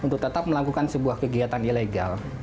untuk tetap melakukan sebuah kegiatan ilegal